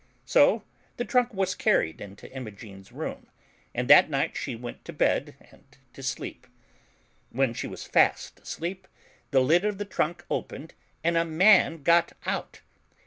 So the trunk was carried into Imogen's room, and that night she went to bed and to sleep. When she was fast asleep, the lid of the trunk opened and a man got out.